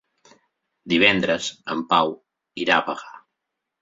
Divendres en Pau irà a Bagà.